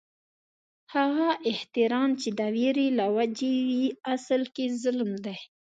هغه احترام چې د وېرې له وجې وي، اصل کې ظلم دي